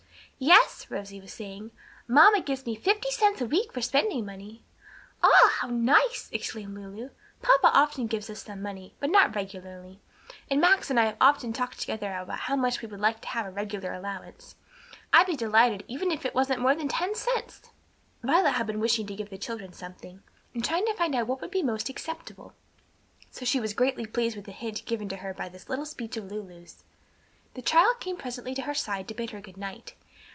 "Yes," Rosie was saying, "mamma gives me fifty cents a week for spending money." "Ah, how nice!" exclaimed Lulu. "Papa often gives us some money, but not regularly, and Max and I have often talked together about how much we would like to have a regular allowance. I'd be delighted, even if it wasn't more than ten cents." Violet had been wishing to give the children something, and trying to find out what would be most acceptable, so was greatly pleased with the hint given her by this little speech of Lulu's. The child came presently to her side to bid her good night.